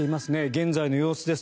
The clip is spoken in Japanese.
現在の様子です。